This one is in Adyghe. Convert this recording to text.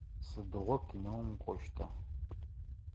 Сыдигъо кинэум укӏощта?